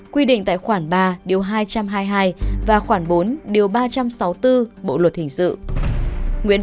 quy định tại khoảng ba ba trăm sáu mươi bốn bộ luật hình sự